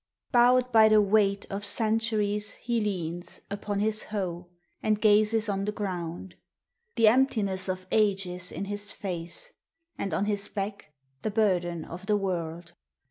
Bowed by the weight of centuries he leans Upon his hoe and gazes on the ground, The emptiness of ages in his face, And on his back the burden of the world.